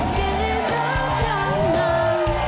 เกมรับจำนำ